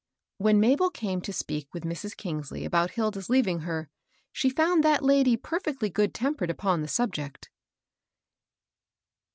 When Mabel came to speak with Mrs. Ejngslej about Hilda's leaving her, she found that lady per fectly good tempered upon the subject.